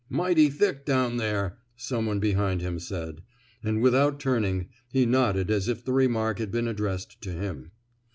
Mighty thick down there, *' some one behind him said; and with out turning, he nodded as if the remark had been addressed to him.